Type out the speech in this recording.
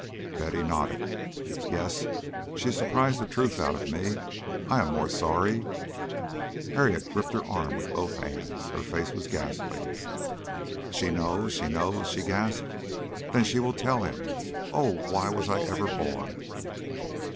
Betty nodded. "Yes, she surprised the truth out of me. I am more sorry " Harriet had gripped her arm with both hands. Her face was ghastly. "She knows? She knows?" she gasped. "Then she will tell him. Oh! Why was I ever born?"